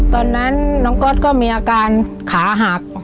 ตอนนั้นน้องก๊อตก็มีอาการขาหัก